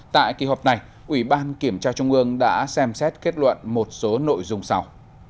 tại kỳ họp này ủy ban kiểm tra trung ương đã xem xét kết luận một số nội dung sau